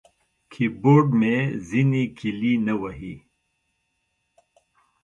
کیبورډ مې ځینې کیلي نه وهي.